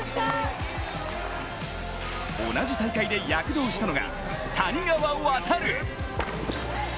同じ大会で躍動したのが谷川航。